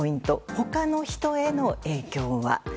他の人への影響が。